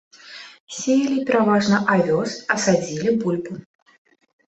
Сеялі пераважна авёс, а садзілі бульбу.